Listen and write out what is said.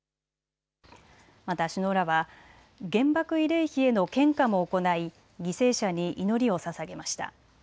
また首脳らは原爆慰霊碑への献花も行い犠牲者に祈りをささげました。